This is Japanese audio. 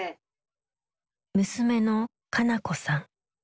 娘の香夏子さん。